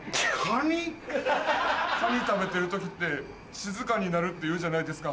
カニ食べてる時って静かになるっていうじゃないですか。